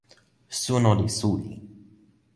suno li suli.